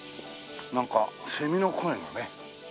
なんかセミの声がねまた。